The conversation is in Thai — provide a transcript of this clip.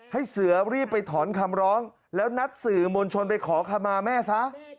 ให้เสือรีบไปถอนคำร้องแล้วนัดสื่อมวลชนไปขอคำมาแม่ซะ